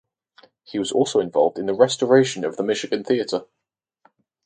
He was also involved in the restoration of the Michigan Theater.